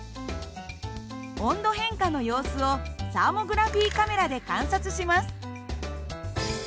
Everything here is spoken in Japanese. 温度変化の様子をサーモグラフィーカメラで観察します。